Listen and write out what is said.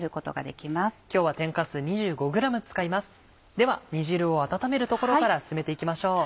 では煮汁を温めるところから進めていきましょう。